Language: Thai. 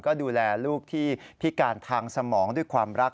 ก็ดูแลลูกที่พิการทางสมองด้วยความรัก